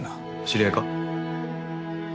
知り合いか？